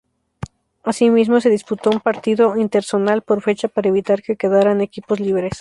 Asimismo, se disputó un partido interzonal por fecha para evitar que quedaran equipos libres.